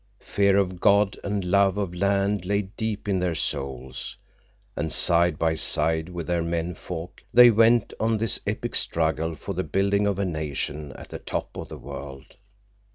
Fear of God and love of land lay deep in their souls, and side by side with their men folk they went on in this epic struggle for the building of a nation at the top of the world.